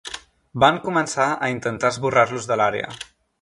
Van començar a intentar esborrar-los de l'àrea.